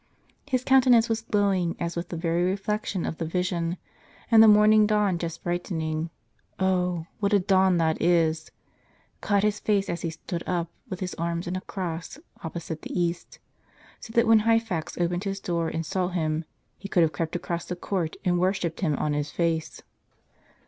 His countenance was glowing as with the very reflection of the vision, and the morning dawn just brightening (oh, what a dawn that is!), caught his face as he stood up, with his arms in a cross, opposite the east; so that when Hyphax opened his door and saw him, he could have crept across the court and worshipped him on his face.